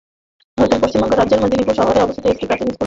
ভারতের পশ্চিমবঙ্গ রাজ্যের মেদিনীপুর শহরে অবস্থিত একটি প্রাচীনতম স্কুল।